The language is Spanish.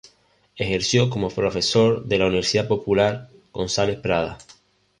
Ejerció como profesor de la Universidad Popular González Prada.